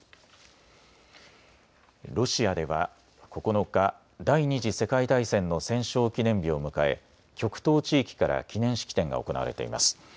ロシアでは９日、第２次世界大戦の戦勝記念日を迎え極東地域から記念式典が行われています。